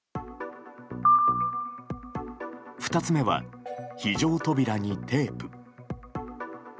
２つ目は非常扉にテープ。